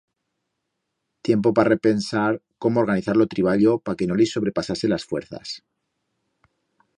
Tiempo pa repensar cómo organizar lo triballo pa que no lis sobrepasase las fuerzas.